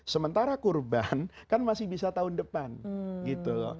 sementara kurban kan masih bisa tahun depan gitu loh